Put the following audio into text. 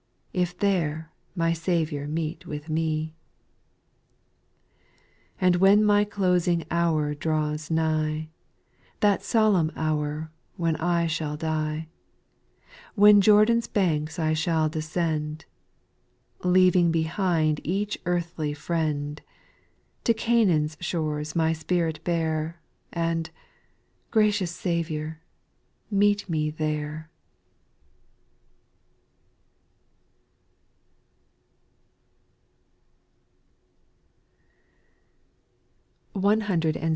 If there my Saviour meet with me. 6. And when my closing hour draws nigh^ That solemn hour when I shall die — When Jordan's banks I shall descend, Leaving behind each earthly friend, To Canaan's shores my spirit bear, And, gracious Saviour I meet me there.